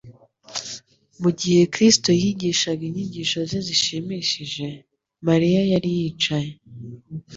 Mu gihe Kristo yigishaga inyigisho ze zishimishije, Mariya yari yicaye